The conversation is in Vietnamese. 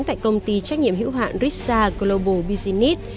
tại công ty trách nhiệm hữu hạn rissa global business